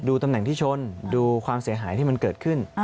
ตำแหน่งที่ชนดูความเสียหายที่มันเกิดขึ้น